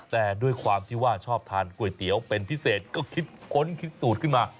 แต่ด้วยความที่ว่าชอบทานก๋วยเตี๋ยวเป็นพิเศษก็คิดค้นคิดสูตรขึ้นมา